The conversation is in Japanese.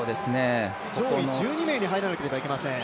上位１２名に入らなければいけません。